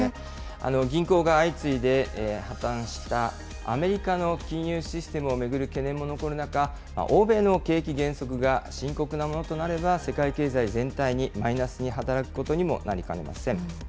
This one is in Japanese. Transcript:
銀行が相次いで破綻したアメリカの金融システムを巡る懸念も残る中、欧米の景気減速が深刻なものとなれば、世界経済全体にマイナスに働くことにもなりかねません。